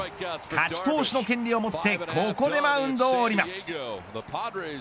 勝ち投手の権利を持ってここでマウンドを降ります。